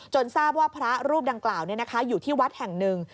ทราบว่าพระรูปดังกล่าวอยู่ที่วัดแห่งหนึ่ง